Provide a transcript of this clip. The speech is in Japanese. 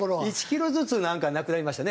１キロずつなんかなくなりましたね